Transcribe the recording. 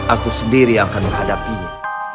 aku sendiri akan menghadapinya